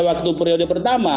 waktu periode pertama